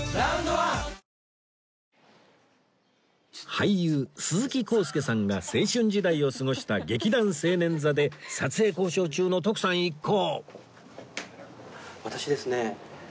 俳優鈴木浩介さんが青春時代を過ごした劇団青年座で撮影交渉中の徳さん一行